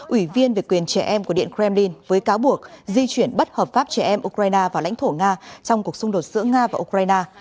ủy viên về quyền trẻ em của điện kremlin với cáo buộc di chuyển bất hợp pháp trẻ em ukraine vào lãnh thổ nga trong cuộc xung đột giữa nga và ukraine